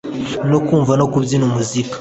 no kumva no kubyina umuziki